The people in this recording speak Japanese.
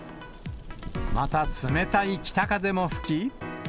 また冷たい北風も吹き。